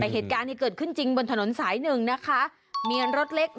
แต่เหตุการณ์ที่เกิดขึ้นจริงบนถนนสายหนึ่งนะคะมีรถเล็ก